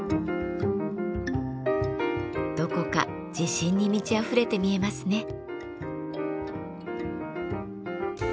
どこか自信に満ちあふれて見えますね。